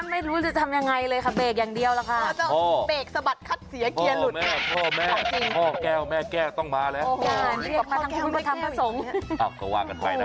คุณค่ะ